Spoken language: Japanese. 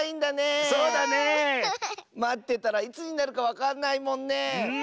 まってたらいつになるかわかんないもんねえ。